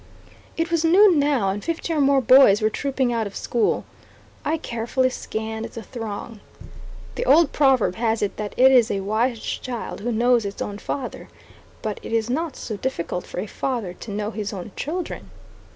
It was noon now, and fifty or more boys were trooping out of school. I carefully scanned the throng. The old proverb has it that it is a wise child who knows its own father; but it is not so difficult for a father to know his own children.